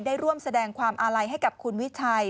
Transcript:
ได้ร่วมแสดงความอาลัยให้กับคุณวิชัย